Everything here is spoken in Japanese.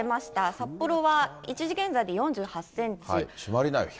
札幌は１時現在で４８センチ。